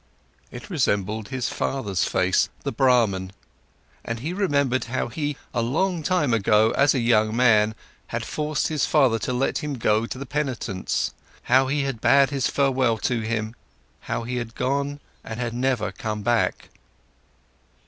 It resembled his father's face, the Brahman. And he remembered how he, a long time ago, as a young man, had forced his father to let him go to the penitents, how he had bid his farewell to him, how he had gone and had never come back.